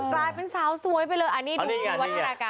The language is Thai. กลายเป็นสาวสวยไปเลยอันนี้ดูวิวัฒนาการ